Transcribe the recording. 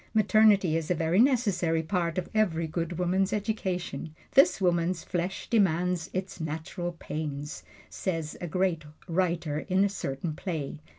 Maternity is a very necessary part of every good woman's education "this woman's flesh demands its natural pains," says a great writer in a certain play.